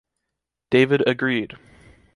David agreed.